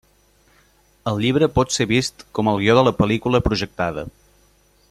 El llibre pot ser vist com el guió de la pel·lícula projectada.